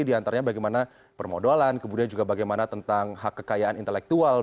di antaranya bagaimana permodalan kemudian juga bagaimana tentang hak kekayaan intelektual